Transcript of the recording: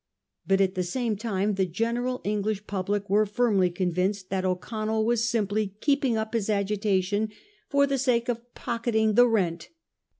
But at that time the general English public were firmly convinced that O'Connell was simply keeping up his agitation for the sake of pocketing ' the rent.